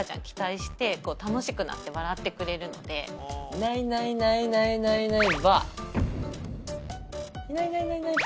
いないいないいないいない。